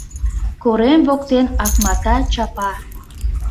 Корем воктен акмата чапа...» —